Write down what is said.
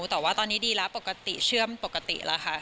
แต่ว่าตอนนี้ดีแล้วปกติเชื่อมปกติแล้วค่ะ